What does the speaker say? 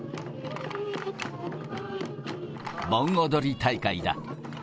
盆踊り大会だ。